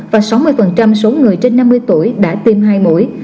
và sáu mươi số người trên năm mươi tuổi đã tiêm hai mũi